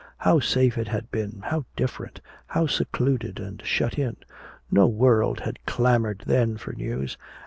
How safe it had been, how different, how secluded and shut in. No world had clamored then for news.